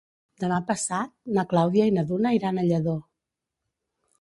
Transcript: Demà passat na Clàudia i na Duna iran a Lladó.